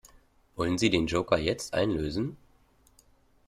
Wollen Sie den Joker jetzt einlösen?